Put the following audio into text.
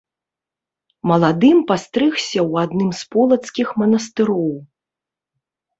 Маладым пастрыгся ў адным з полацкіх манастыроў.